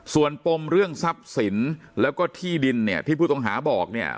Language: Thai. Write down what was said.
ส่วนปมเรื่องทรัพย์สินแล้วก็ที่ดินเนี่ยที่ผู้ต้องหาบอกเนี่ย